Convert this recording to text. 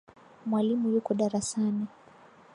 Mwalimu yuko darasani